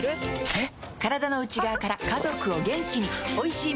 えっ？